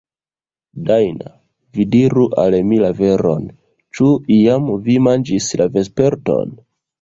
Dajna, vi diru al mi la veron; ĉu iam vi manĝis vesperton?